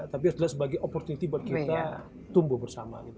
tapi sebagai opportunity buat kita tumbuh bersama